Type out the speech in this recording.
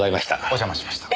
お邪魔しました。